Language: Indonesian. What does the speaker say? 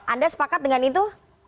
anda sepakat dengan itu